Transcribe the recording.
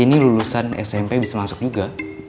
ini lulusan smp bisa masuk juga